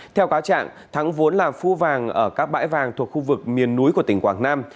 theo cáo trạng thắng vốn là phu vàng ở các bãi vàng thuộc khu vực miền núi của tỉnh quảng nam